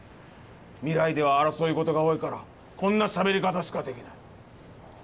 未来では争いごとが多いからこんなしゃべり方しかできない。